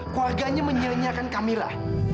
keluarganya menyernyakkan kamila